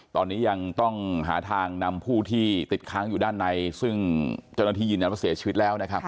ตอนนี้ยังต้องหาทางนำผู้ที่ติดค้างอยู่ด้านในซึ่งเจ้าหน้าที่ยืนยันว่าเสียชีวิตแล้วนะครับ